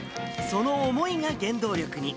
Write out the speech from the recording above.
その思いが原動力に。